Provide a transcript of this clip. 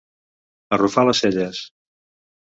Arrufar les celles.